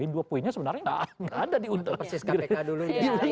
dua poinnya sebenarnya gak ada di undang undang kpk dulu